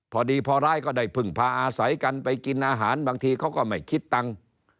พอดีพอร้ายก็ได้พึ่งพาอาศัยกันไปกินอาหารบางทีเขาก็ไม่คิดตังค์